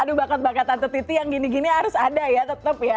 aduh bakat bakat tante titi yang gini gini harus ada ya tetap ya